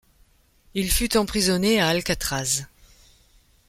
Il fut emprisonné à Alcatraz.